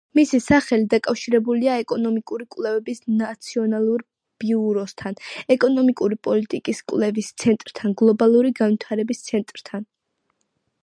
მისი სახელი დაკავშირებულია ეკონომიკური კვლევების ნაციონალურ ბიუროსთან, ეკონომიკური პოლიტიკის კვლევის ცენტრთან, გლობალური განვითარების ცენტრთან.